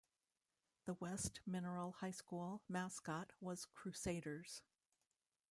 The West Mineral High School mascot was Crusaders.